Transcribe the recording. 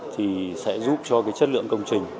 thì sẽ giúp cho cái chất lượng công trình